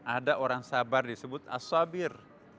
ada orang sabar disebut as sabir